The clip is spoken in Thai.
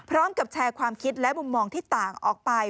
พร้อมกับแชร์ความคิดและมุมมองที่ต่างออกไป